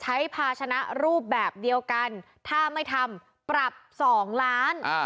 ภาชนะรูปแบบเดียวกันถ้าไม่ทำปรับ๒ล้าน